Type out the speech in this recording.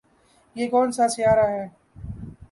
یہ کون سا سیارہ ہے